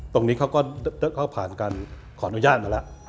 ตรงนี้เขาก็ผ่านการขออนุญาตมาแล้ว